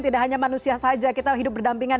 tidak hanya manusia saja kita hidup berdampingan